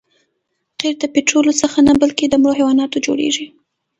قیر د پطرولو څخه نه بلکې له مړو حیواناتو جوړیږي